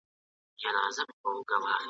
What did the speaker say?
ما شبقدر دی لیدلی منل کیږي مي خواستونه !.